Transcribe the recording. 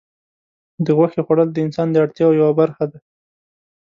د غوښې خوړل د انسان د اړتیاوو یوه برخه ده.